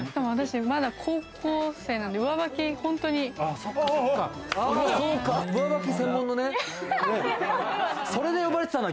私、まだ高校生なので、上履き、本当に履くんです。